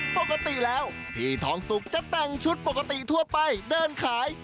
ปกติแล้วพี่ทองสุกจะแต่งชุดปกติทั่วไปเดินขาย